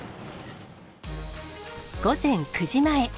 午前９時前。